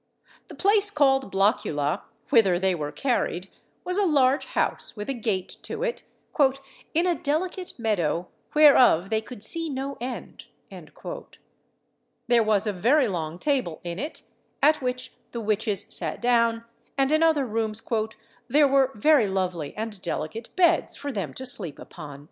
The place called Blockula, whither they were carried, was a large house, with a gate to it, "in a delicate meadow, whereof they could see no end." There was a very long table in it, at which the witches sat down; and in other rooms "there were very lovely and delicate beds for them to sleep upon."